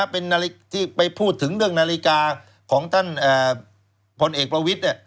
ไปพูดถึงเรื่องนาฬิกาของท่านพลเอกประวิท